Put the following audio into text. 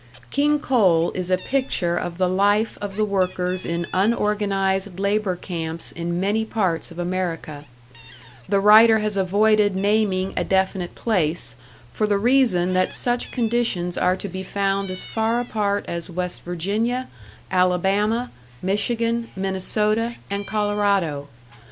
"King Coal" is a picture of the life of the workers in unorganised labour camps in many parts of America, The writer has avoided naming a definite place, for the reason that such conditions are to be found as far apart as West Virginia, Alabama, Michigan, Minnesota, and Colorado.